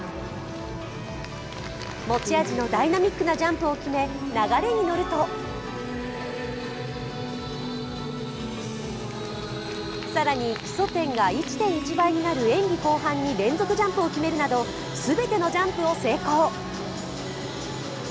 持ち味のダイナミックなジャンプを決め流れに乗ると更に基礎点が１．１倍になる演技後半に連続ジャンプを決めるなど全てのジャンプを成功。